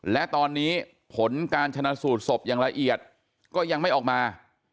และตอนนี้ผลการชนะสูตรศพอย่างละเอียดก็ยังไม่ออกมา